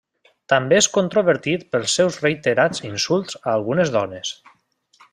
També és controvertit pels seus reiterats insults a algunes dones.